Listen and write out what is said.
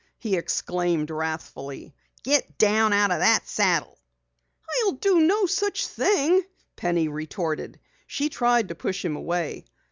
he exclaimed wrathfully. "Get down out of that saddle!" "I'll do no such thing!" Penny retorted. She tried to push him away.